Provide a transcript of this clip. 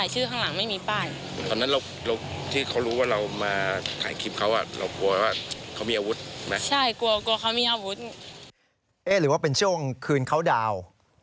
หรือว่าเป็นช่วงคืนเขาดาวน์